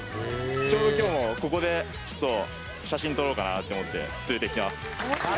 ちょうど今日もここで写真撮ろうかなって思って連れてきてます。